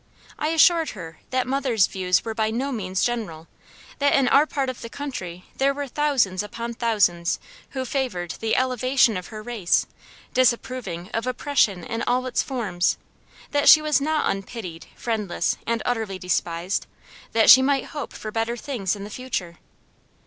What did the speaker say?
I assured her that mother's views were by no means general; that in our part of the country there were thousands upon thousands who favored the elevation of her race, disapproving of oppression in all its forms; that she was not unpitied, friendless, and utterly despised; that she might hope for better things in the future.